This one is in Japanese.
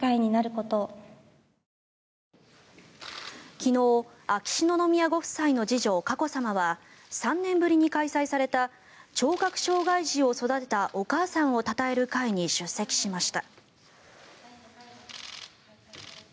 昨日、秋篠宮ご夫妻の次女佳子さまは３年ぶりに開催された聴覚障害児を育てたお母さんをたたえる会に出席しました。